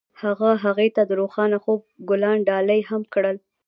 هغه هغې ته د روښانه خوب ګلان ډالۍ هم کړل.